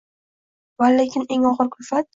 Va lekin eng og’ir kulfat –